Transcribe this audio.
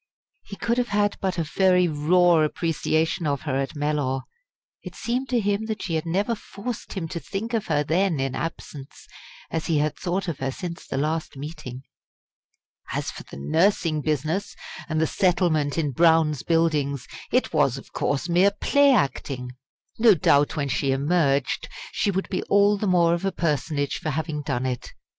He could have had but a very raw appreciation of her at Mellor. It seemed to him that she had never forced him to think of her then in absence, as he had thought of her since the last meeting. As for the nursing business, and the settlement in Brown's Buildings, it was, of course, mere play acting. No doubt when she emerged she would be all the more of a personage for having done it.